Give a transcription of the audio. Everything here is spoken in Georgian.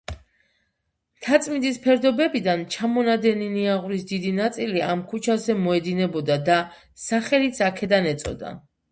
მთაწმინდის ფერდობებიდან ჩამონადენი ნიაღვრის დიდი ნაწილი ამ ქუჩაზე მოედინებოდა და სახელიც აქედან ეწოდა.